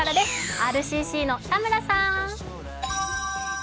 ＲＣＣの田村さん。